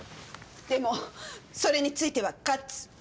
でもそれについてはカッツ。